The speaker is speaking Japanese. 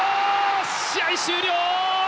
試合終了。